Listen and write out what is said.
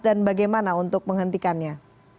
dan bagaimana untuk menghentikannya